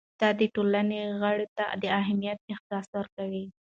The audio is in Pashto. دا د ټولنې غړو ته د اهمیت احساس ورکوي.